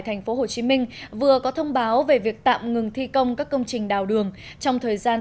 tp hcm vừa có thông báo về việc tạm ngừng thi công các công trình đào đường trong thời gian